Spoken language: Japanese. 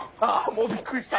もうびっくりした。